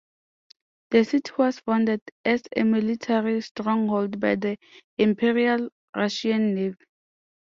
The city was founded as a military stronghold by the Imperial Russian Navy.